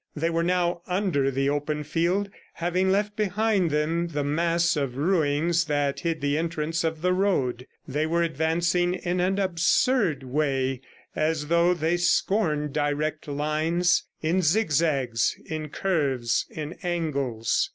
They were now under the open field, having left behind them the mass of ruins that hid the entrance of the road. They were advancing in an absurd way, as though they scorned direct lines in zig zags, in curves, in angles.